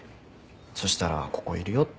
そしたらここいるよって。